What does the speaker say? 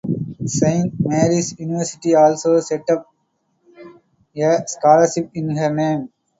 Saint Mary's University also set up a scholarship in her name.